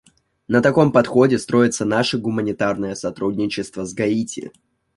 На таком подходе строится наше гуманитарное сотрудничество с Гаити.